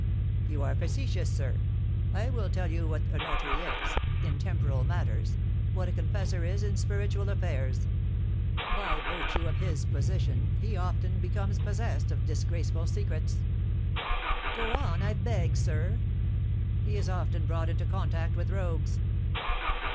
"You are facetious, sir; I will tell you that a notary is, in temporal matters, what a confessor is in spiritual affairs; by virtue of his position, he often becomes possessed of disgraceful secrets." "Go on, I beg, sir." "He is often brought into contact with rogues."